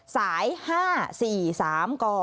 สาย๕๔๓ก